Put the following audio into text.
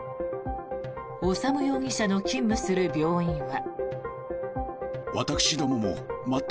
修容疑者の勤務する病院は。